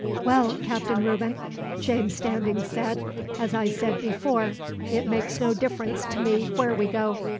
"Well, Captain Reuben," James Standing said, "as I said before, it makes no difference to me where we go.